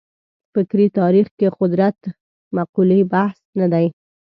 فکري تاریخ کې قدرت مقولې بحث نه دی.